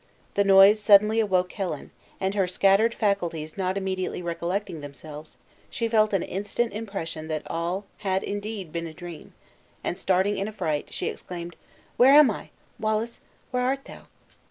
The noise suddenly awoke Helen, and her scattered faculties not immediately recollecting themselves, she felt an instant impression that all had indeed been a dream, and starting in affright, she exclaimed, "Where am I? Wallace, where art thou?"